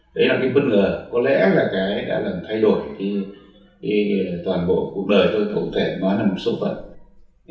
đấy là cái bất ngờ có lẽ là cái đã thay đổi toàn bộ cuộc đời tôi có thể nói là một số phận